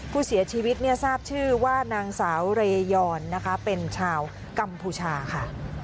ผู้เสียชีวิตเนี่ยทราบชื่อว่านางสาวเรยอนนะคะเป็นชาวกัมพูชาค่ะ